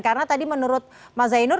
karena tadi menurut mas zainur